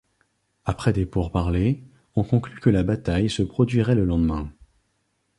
Après des pourparlers, on conclut que la bataille se produirait le lendemain.